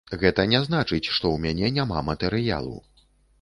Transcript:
Гэта не значыць, што ў мяне няма матэрыялу.